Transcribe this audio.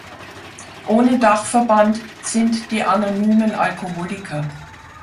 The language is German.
Ohne Dachverband sind die Anonymen Alkoholiker.